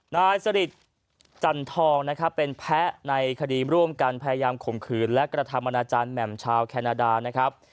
นายสริทจันทองนะครับเป็นแพ้ในคดีร่วมกันพยายามข่มขืนและกระทำอนาจารย์แหม่มชาวแคนาดานะครับ